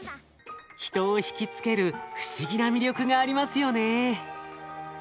人を引き付ける不思議な魅力がありますよね。